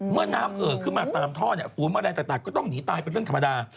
เมื่อน้ำเอ่อขึ้นมาตามท่อเนี่ยฝูนแมลงต่างก็ต้องหนีตายเป็นเรื่องธรรมดา